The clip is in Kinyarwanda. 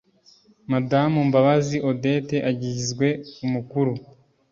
madamu mbabazi odette agizwe umukuru